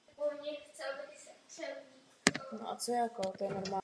Vzápětí ho však společně s ostatními vůdci vzpoury vydali Římanům k potrestání.